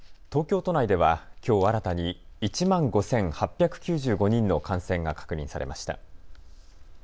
東京都内ではきょう新たに１万５８９５人の感染が確認されました。